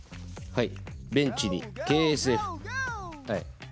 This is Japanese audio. はい。